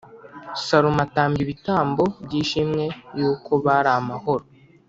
Salomo atamba ibitambo by’ishimwe yuko bari amahoro